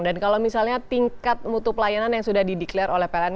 dan kalau misalnya tingkat mutu pelayanan yang sudah dideklar oleh pln